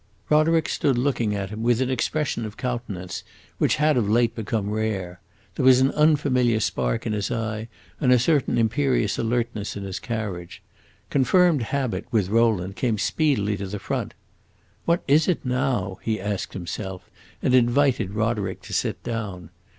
Roderick stood looking at him with an expression of countenance which had of late become rare. There was an unfamiliar spark in his eye and a certain imperious alertness in his carriage. Confirmed habit, with Rowland, came speedily to the front. "What is it now?" he asked himself, and invited Roderick to sit down.